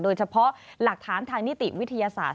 โดยเฉพาะหลักฐานทางนิติวิทยาศาสตร์